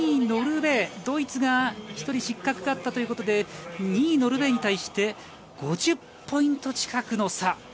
ノルウェー、ドイツで１人失格があったということで、２位ノルウェーに対して５０ポイント近くの差。